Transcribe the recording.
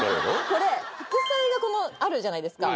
これ副菜があるじゃないですか